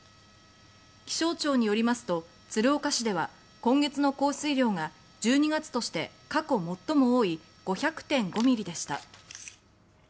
気象庁によりますと鶴岡市では今月の降水量が１２月として過去最も多い５００．５ミリでした。